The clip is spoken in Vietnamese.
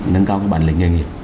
nâng cao cái bản lĩnh nghề nghiệp